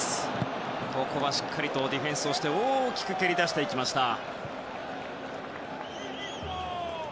ここはしっかりディフェンスして大きく蹴り出していきました。